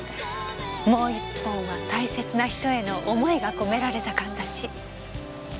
もう１本は大切な人への思いが込められたかんざし。